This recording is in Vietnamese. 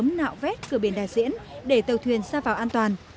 ngư dân phường sớm nạo vét cửa biển đà diễn để tàu thuyền ra vào an toàn